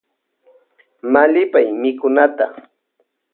Mallypay mikunata.